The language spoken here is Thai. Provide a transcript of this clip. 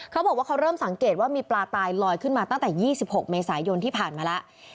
เขาบอกว่าเขาเริ่มสังเกตว่ามีปลาตายลอยขึ้นมาตั้งแต่๒๖เมษายนที่ผ่านมาแล้ว